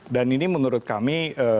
dan ini menurut kami